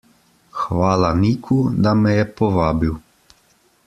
Hvala Niku, da me je povabil.